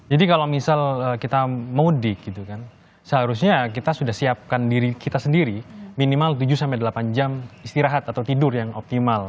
jadi kalau misal kita mudik gitu kan seharusnya kita sudah siapkan diri kita sendiri minimal tujuh delapan jam istirahat atau tidur yang optimal